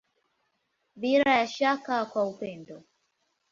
Bila ya shaka kwa upendo.